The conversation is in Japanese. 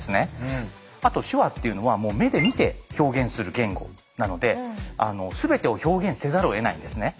あと手話っていうのは目で見て表現する言語なので全てを表現せざるをえないんですね。